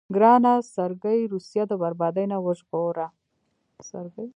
ګرانه سرګي روسيه د بربادۍ نه وژغوره.